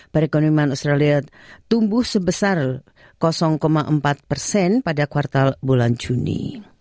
perekonomian australia tumbuh sebesar empat persen pada kuartal bulan juni